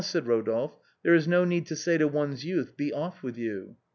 said Rodolphe, " there is no need to say to one's youth, ' Be oiï with you.'